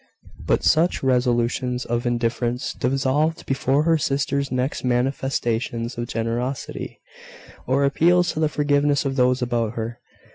But such resolutions of indifference dissolved before her sister's next manifestations of generosity, or appeals to the forgiveness of those about her.